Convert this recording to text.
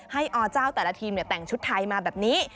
อเจ้าแต่ละทีมแต่งชุดไทยมาแบบนี้